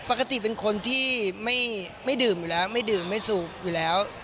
ปกติเป็นคนที่ไม่ดื่มอยู่แล้วไม่ดื่มไม่สูบอยู่แล้ว